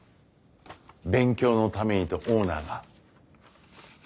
勉強のためにとオーナーが。